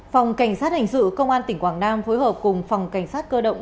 phòng cảnh sát hình sự công an tỉnh quảng nam phối hợp cùng phòng cảnh sát cơ động